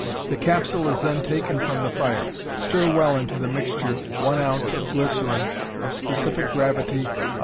The capsule is then taken from the fire. Stir well into the mixture one ounce of glycerine of specific gravity of 1.